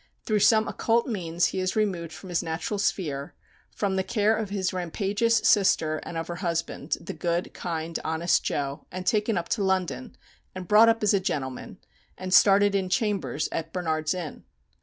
Through some occult means he is removed from his natural sphere, from the care of his "rampageous" sister and of her husband, the good, kind, honest Joe, and taken up to London, and brought up as a gentleman, and started in chambers in Barnard's Inn.